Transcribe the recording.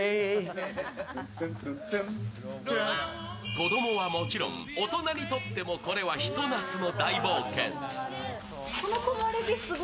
子供はもちろん大人にとってもこれはひと夏の大冒険。